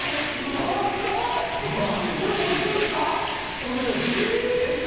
温泉です。